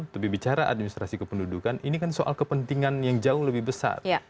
tapi bicara administrasi kependudukan ini kan soal kepentingan yang jauh lebih besar